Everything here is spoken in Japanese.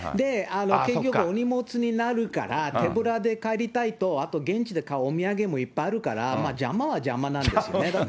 結局、お荷物になるから手ぶらで帰りたいと、あと現地で買うお土産もいっぱいあるから、邪魔は邪魔なんですね。